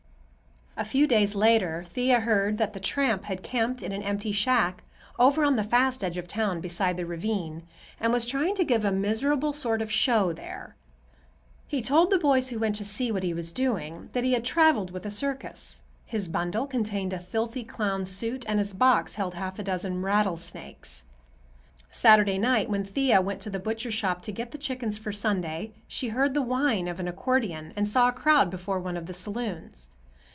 A few days later Thea heard that the tramp had camped in an empty shack over on the east edge of town, beside the ravine, and was trying to give a miserable sort of show there. He told the boys who went to see what he was doing, that he had traveled with a circus. His bundle contained a filthy clown's suit, and his box held half a dozen rattlesnakes. Saturday night, when Thea went to the butcher shop to get the chickens for Sunday, she heard the whine of an accordion and saw a crowd before one of the saloons.